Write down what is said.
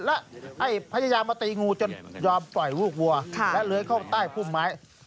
และให้พระเจ้ามาตีงูจนยอมปล่อยลูกวัวและเลยเข้าใต้ภูมิไม้